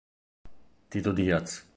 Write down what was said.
Tito Díaz